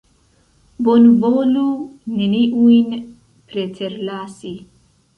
Bonvolu neniujn preterlasi!